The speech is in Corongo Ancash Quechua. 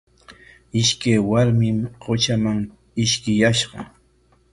Ishkay warmim qutraman ishkiyashqa.